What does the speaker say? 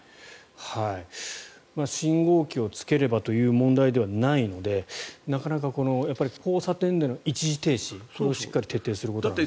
信号機をつければという問題ではないのでなかなか交差点での一時停止をしっかり徹底することかなと。